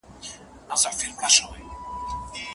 که اړتیا نه وي، بڼوال به په اوږه باندي ګڼ توکي ونه